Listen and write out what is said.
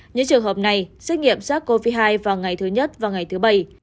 những trường hợp này xét nghiệm sars cov hai vào ngày thứ nhất và ngày thứ bảy